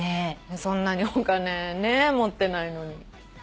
そんなにお金持ってないのに。